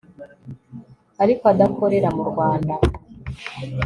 ariko adakorera mu rwanda